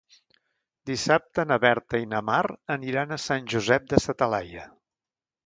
Dissabte na Berta i na Mar aniran a Sant Josep de sa Talaia.